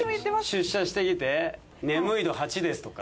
出社してきて眠い度８ですとか？